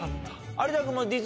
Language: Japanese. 有田君も。